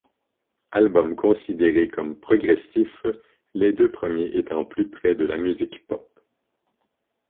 Album considéré comme progressif, les deux premiers étant plus près de la musique pop.